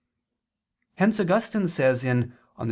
Hence Augustine says in _De Civ.